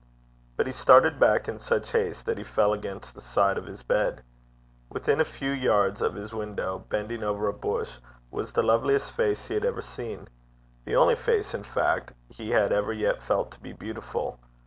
But he started back in such haste that he fell against the side of his bed. Within a few yards of his window, bending over a bush, was the loveliest face he had ever seen the only face, in fact, he had ever yet felt to be beautiful.